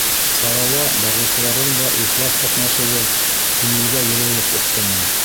Сарала бағыусыларҙың да ихлас ҡатнашыуы күңелгә йылылыҡ өҫтәне.